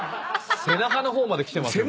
背中の方まで来てます。